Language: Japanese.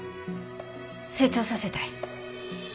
成長させたい。